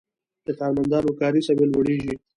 د کارمندانو کاري سویه لوړیږي.